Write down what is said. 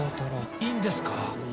いいんですか？